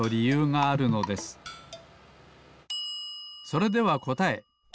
それではこたえ。